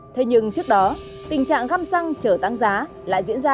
thế nhưng trước đó tình trạng găm xăng chở tăng giá lại diễn ra